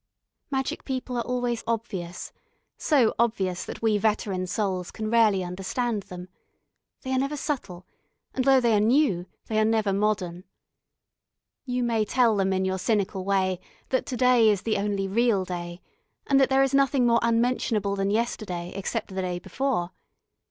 Magic people are always obvious so obvious that we veteran souls can rarely understand them, they are never subtle, and though they are new, they are never Modern. You may tell them in your cynical way that to day is the only real day, and that there is nothing more unmentionable than yesterday except the day before.